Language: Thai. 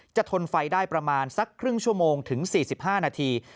ทนไฟได้ประมาณสักครึ่งชั่วโมงถึง๔๕นาที